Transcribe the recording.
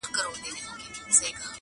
د وجدان يو تلپاتې درد دی.